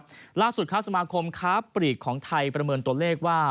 ล่าสุดครับสมาคมค้าปลีกของไทยประเมินตัวเลขว่า